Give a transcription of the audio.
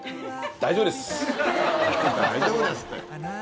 「大丈夫です」って。